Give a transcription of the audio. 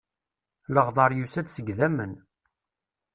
Leɣdeṛ yusa-d seg dammen.